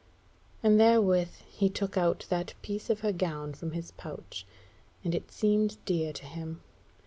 And therewith he took out that piece of her gown from his pouch, and it seemed dear to him.